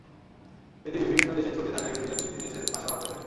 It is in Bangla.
পৃথিবীর বিভিন্ন দেশে ছড়িয়ে থাকা ইহুদিরা ফিলিস্তিনে এসে বাসা বাঁধতে থাকে।